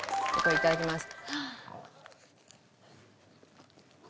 いただきます。